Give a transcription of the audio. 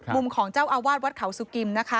มุมของเจ้าอาวาสวัดเขาสุกิมนะคะ